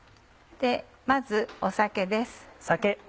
まず酒です。